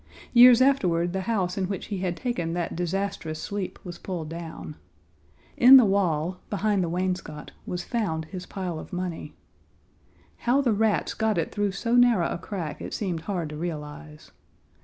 Years afterward the house in which he had taken that disastrous sleep was pulled down. In the wall, behind the wainscot, was found his pile of money. How the rats got it through so narrow a crack it seemed hard to realize.